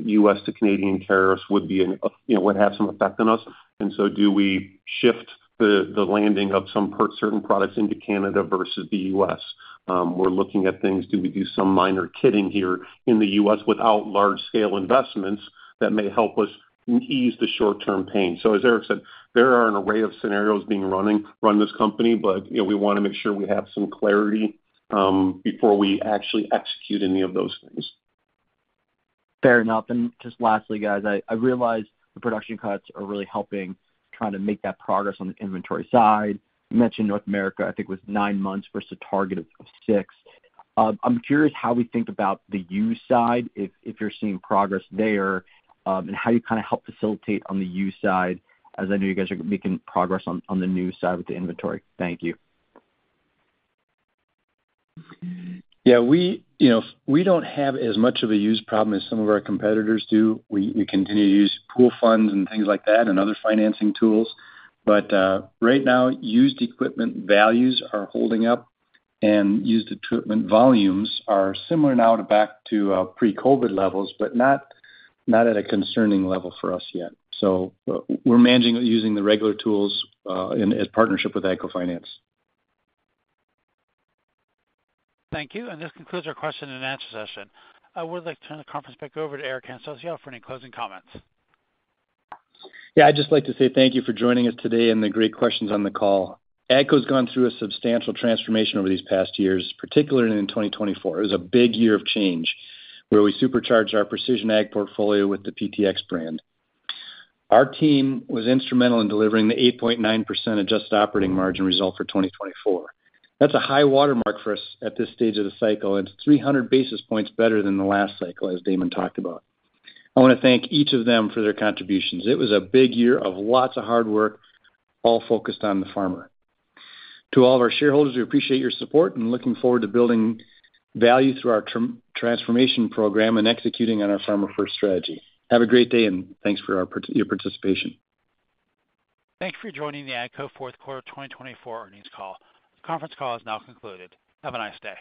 U.S. to Canadian tariffs would have some effect on us. And so do we shift the landing of some certain products into Canada versus the U.S.? We're looking at things. Do we do some minor kitting here in the U.S. without large-scale investments that may help us ease the short-term pain? So as Eric said, there are an array of scenarios being run this company, but we want to make sure we have some clarity before we actually execute any of those things. Fair enough. And just lastly, guys, I realize the production cuts are really helping trying to make that progress on the inventory side. You mentioned North America, I think, was nine months versus a target of six. I'm curious how we think about the used side, if you're seeing progress there, and how you kind of help facilitate on the used side, as I know you guys are making progress on the new side with the inventory. Thank you. Yeah. We don't have as much of a used problem as some of our competitors do. We continue to use pool funds and things like that and other financing tools. But right now, used equipment values are holding up, and used equipment volumes are similar now to back to pre-COVID levels, but not at a concerning level for us yet. So we're managing it using the regular tools in partnership with AGCO Finance. Thank you. And this concludes our question and answer session. I would like to turn the conference back over to Eric Hansotia for any closing comments. Yeah. I'd just like to say thank you for joining us today and the great questions on the call. AGCO has gone through a substantial transformation over these past years, particularly in 2024. It was a big year of change where we supercharged our precision ag portfolio with the PTx brand. Our team was instrumental in delivering the 8.9% adjusted operating margin result for 2024. That's a high watermark for us at this stage of the cycle, and it's 300 basis points better than the last cycle, as Damon talked about. I want to thank each of them for their contributions. It was a big year of lots of hard work, all focused on the farmer. To all of our shareholders, we appreciate your support and looking forward to building value through our transformation program and executing on our Farmer First strategy. Have a great day, and thanks for your participation. Thank you for joining the AGCO fourth quarter 2024 earnings call. The conference call is now concluded. Have a nice day.